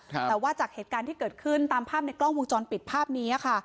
แต่ว่าจากเหตุการณ์ที่เกิดขึ้นตามภาพในกล้องวงจรปิดภาพนี้ค่ะ